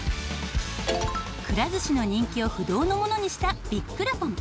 くら寿司の人気を不動のものにしたビッくらポン！。